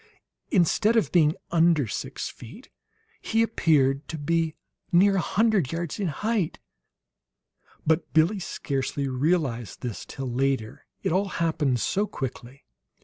Instead of being under six feet, he appeared to be near a hundred yards in height; but Billie scarcely realized this till later, it all happened so quickly.